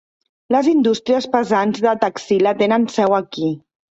Les indústries pesants de Taxila tenen seu aquí.